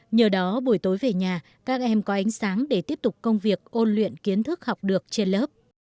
nhờ đó buổi tối về nhà các em có ánh sáng để tiếp tục công việc ôn luyện kiến thức học được trên lớp